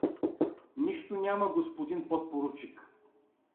— Нищо няма, господин подпоручик.